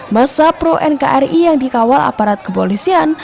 masa pro nkri yang dikawal aparat kepolisian